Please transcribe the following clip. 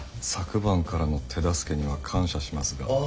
昨晩からの手助けには感謝しますが。